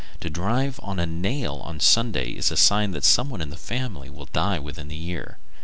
To drive a nail on Sunday is a sign that some one in the family will die within the year.